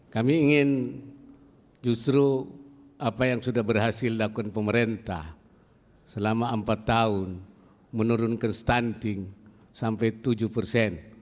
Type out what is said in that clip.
kami ingin justru apa yang sudah berhasil dilakukan pemerintah selama empat tahun menurunkan stunting sampai tujuh persen